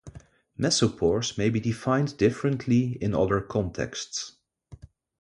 Mesopores may be defined differently in other contexts.